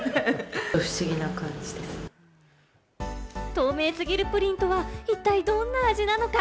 透明すぎるプリンとは一体どんな味なのか？